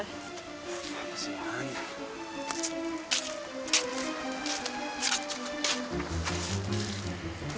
kenapa sih han